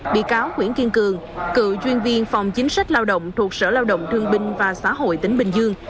bị cáo nguyễn kiên cường cựu chuyên viên phòng chính sách lao động thuộc sở lao động thương binh và xã hội tỉnh bình dương